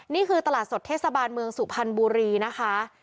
นี่คือตลาดสดเทศบาลเมืองสุพรรณบุรีนะคะ